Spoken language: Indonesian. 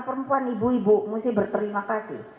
perempuan ibu ibu mesti berterima kasih